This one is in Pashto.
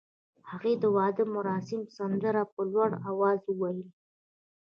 هغې د واده مراسمو سندره په لوړ اواز وویل.